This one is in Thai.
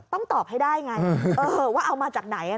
ต้องตอบให้ได้ไงเออว่าเอามาจากไหนนะค่ะ